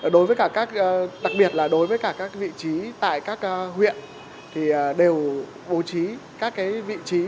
đặc biệt là đối với các vị trí tại các huyện đều bố trí các vị trí